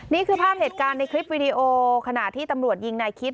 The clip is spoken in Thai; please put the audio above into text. นี่คือภาพเหตุการณ์ในคลิปวิดีโอขณะที่ตำรวจยิงนายคิด